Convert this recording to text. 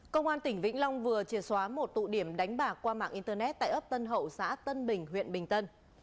công an tỉnh vĩnh long vừa triệt xóa một tụ điểm đánh bạc qua mạng internet tại ấp tân hậu xã tân bình huyện bình tân